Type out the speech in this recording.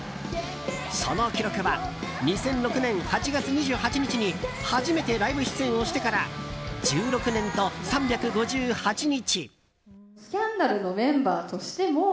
その記録は２００６年８月２８日に初めてライブ出演をしてから１６年と３５８日。